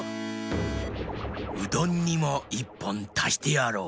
うどんにも１ぽんたしてやろう。